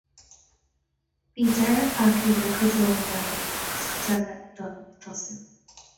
Bhí deireadh tagtha le cuid amháin dá shaol agus cuid eile ag dul ag tosú.